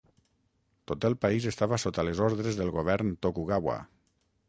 Tot el país estava sota les ordres del govern Tokugawa.